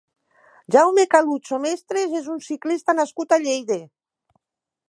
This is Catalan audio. Jaume Calucho Mestres és un ciclista nascut a Lleida.